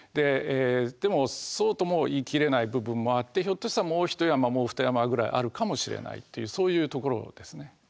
でもそうとも言い切れない部分もあってひょっとしたらもう一山もう二山ぐらいあるかもしれないっていうそういうところですね。